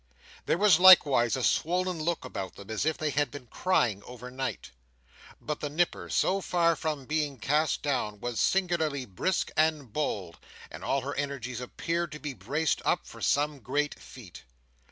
There was likewise a swollen look about them, as if they had been crying over night. But the Nipper, so far from being cast down, was singularly brisk and bold, and all her energies appeared to be braced up for some great feat.